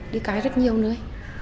đi cái rất nhiều nữa